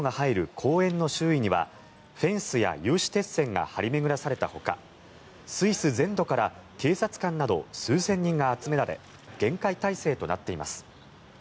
公園の周囲にはフェンスや有刺鉄線が張り巡らされたほかスイス全土から警察官など数千人が集められ厳戒態勢となっています。